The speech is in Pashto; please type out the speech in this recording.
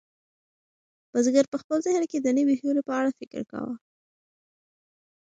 بزګر په خپل ذهن کې د نویو هیلو په اړه فکر کاوه.